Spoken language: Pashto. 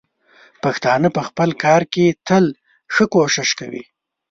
پښتانه په خپل کار کې تل ښه کوښښ کوي.